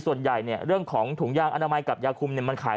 ส่วนใหญ่เนี่ยเรื่องของถุงยางอนามัยกับยาคุมเนี่ยมันขาย